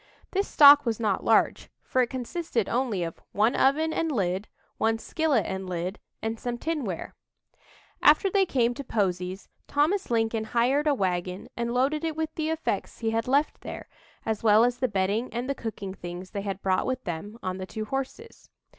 This stock was not large, for it consisted only of "one oven and lid, one skillet and lid, and some tinware." After they came to Posey's, Thomas Lincoln hired a wagon and loaded it with the effects he had left there, as well as the bedding and the cooking things they had brought with them on the two horses.